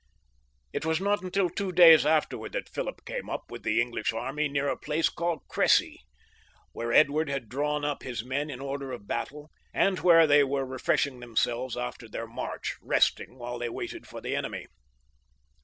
It was not till two days afterwards that Philip came up with the English army near a place called dressy, where Edward had drawn up his men in order of battle, and where they were refreshing themselves after their march, resting while they waited for the enemy.